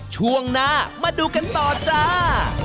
ช่วงหน้ามาดูกันต่อจ้า